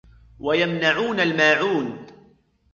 ويمنعون الماعون